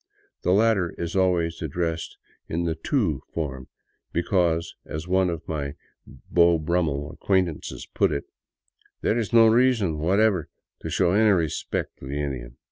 The latter is always ad dressed in the " tu " form, " because," as one of my Beau Brummel acquaintances put it, " there is no reason whatever to show any re spect to the Indian."